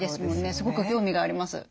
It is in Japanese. すごく興味があります。